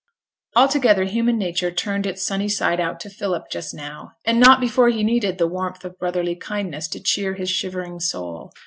Altogether human nature turned its sunny side out to Philip just now; and not before he needed the warmth of brotherly kindness to cheer his shivering soul.